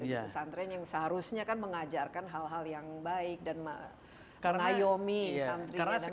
pesantren yang seharusnya kan mengajarkan hal hal yang baik dan mengayomi santrinya dan